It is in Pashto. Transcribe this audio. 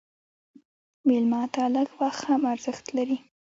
مېلمه ته لږ وخت هم ارزښت لري.